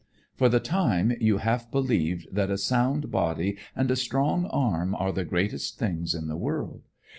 For the time you half believe that a sound body and a strong arm are the greatest things in the world.